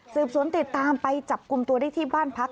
สืบสวนติดตามไปจับกลุ่มตัวได้ที่บ้านพัก